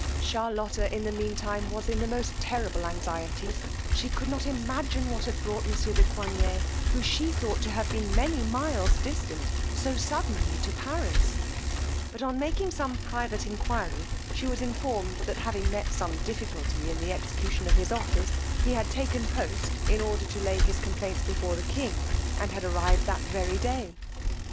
Charlotta in the mean time was in the most terrible anxieties: she could not imagine what had brought monsieur de Coigney, who she thought had been many miles distant, so suddenly to Paris: but on making some private enquiry, she was informed, that having met some difficulty in the execution of his office, he had taken post, in order to lay his complaints before the king, and had arrived that very day.